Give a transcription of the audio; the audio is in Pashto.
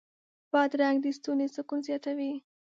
بادرنګ د ستوني سکون زیاتوي.